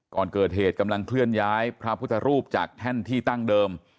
ก่อนเกิดเหตุกำลังเคลื่อนย้ายพระพุทธรูปจากแท่นที่ตั้งเดิม